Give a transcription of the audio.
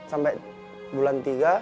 sampai bulan tiga